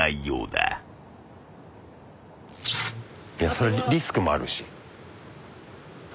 それにリスクもあるし。